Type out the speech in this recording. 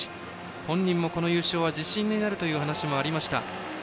本人もこの優勝は自信になるという話もありました。